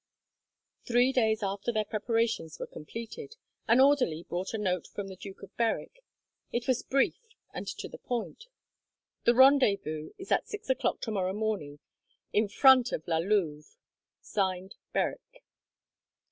Three days after their preparations were completed, an orderly brought a note from the Duke of Berwick. It was brief and to the point. The rendezvous is at six o'clock tomorrow morning, in front of La Louvre. (Signed) Berwick.